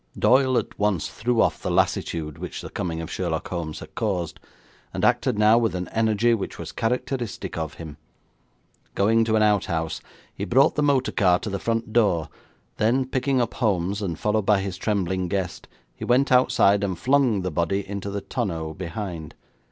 Doyle at once threw off the lassitude which the coming of Sherlock Holmes had caused, and acted now with an energy which was characteristic of him. Going to an outhouse, he brought the motor car to the front door, then, picking up Holmes and followed by his trembling guest, he went outside and flung the body into the tonneau behind.